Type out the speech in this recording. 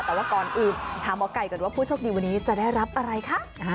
แต่ว่าก่อนอื่นถามหมอไก่ก่อนว่าผู้โชคดีวันนี้จะได้รับอะไรคะ